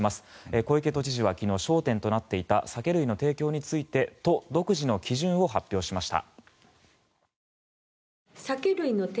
小池都知事は昨日焦点となっていた酒類の提供について都独自の基準を発表しました。